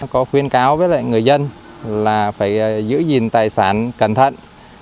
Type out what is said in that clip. có khuyên cáo với lại người dân là phải giữ gìn tài sản cẩn thận